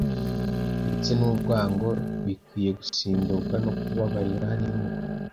ndetse n’urwango bikwiye gusimburwa no kubabarira n’impuhwe